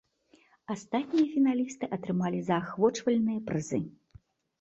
Астатнія фіналісты атрымалі заахвочвальныя прызы.